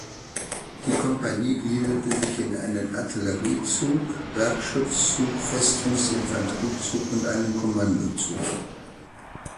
Die Kompanie gliederte sich in einen Artillerie-Zug, Werkschutz-Zug, Festungs-Infanterie-Zug und einen Kommando-Zug.